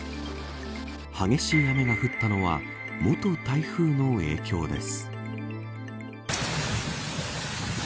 激しい雨が降ったのは元台風の影響です。